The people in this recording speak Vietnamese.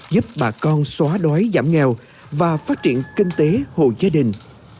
giúp bà con xóa đói giảm nghèo và phát triển kinh tế hộ gia đình